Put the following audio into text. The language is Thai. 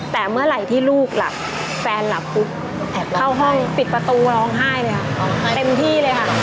แต่เมื่อไหร่ที่ลูกหลับแฟนหลับปุ๊บเข้าห้องปิดประตูร้องไห้เลยค่ะเต็มที่เลยค่ะ